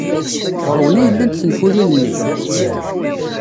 Ɣer-wen ay llant tenfulin-nni?